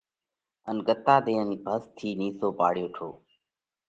ان ڳتا ۮينَ ڀس ٿِي نِيسو پاڙيو هٺو۔